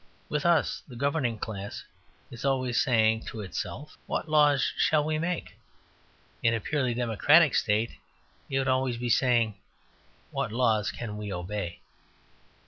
With us the governing class is always saying to itself, "What laws shall we make?" In a purely democratic state it would be always saying, "What laws can we obey?"